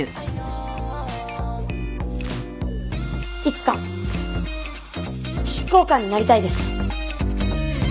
いつか執行官になりたいです。